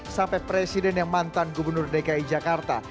sampai presiden yang mantan gubernur dki jakarta